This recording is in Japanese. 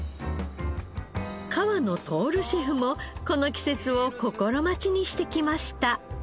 河野透シェフもこの季節を心待ちにしてきました。